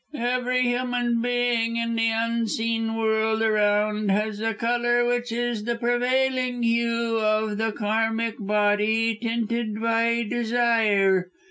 "Every human being in the unseen world around has a colour which is the prevailing hue of the karmic body, tinted by desire.